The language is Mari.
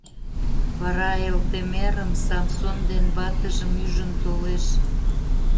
Вара Элтемерым, Самсон ден ватыжым ӱжын толеш.